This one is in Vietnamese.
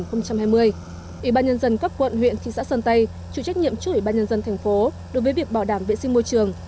ủy ban nhân dân các quận huyện thị xã sơn tây chủ trách nhiệm trước ủy ban nhân dân thành phố đối với việc bảo đảm vệ sinh môi trường